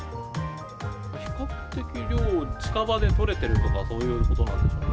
比較的、量、近場で取れてるとか、そういうことなんでしょうね。